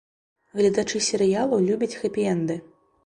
Гледачы серыялаў любяць хэпі-энды.